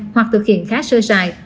hoặc thực hiện khá sơ dài